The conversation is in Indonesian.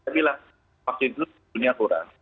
saya bilang vaksin dulu punya kurang